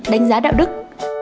đánh giá đạo đức